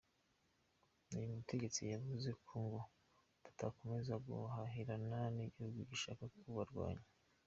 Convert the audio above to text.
Uyu mutegetsi yavuze ko ngo batakomeza guhahirana n’igihugu gishaka kubarwanya.